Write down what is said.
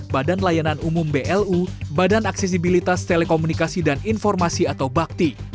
badan layanan umum blu badan aksesibilitas telekomunikasi dan informasi atau bakti